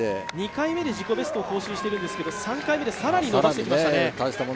２回目で自己ベストを更新しているんですけど、３回目で更に伸ばしてきましたね。